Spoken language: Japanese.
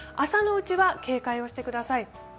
朝のうちは警戒をしてください。